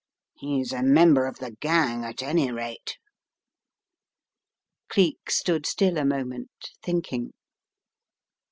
He's a member of the gang, at any rate." Cleek stood still a moment, thinking.